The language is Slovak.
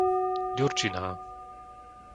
Ďurčiná